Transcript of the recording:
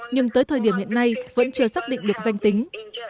nhưng tới thời điểm hiện nay vẫn chưa xác định được danh tính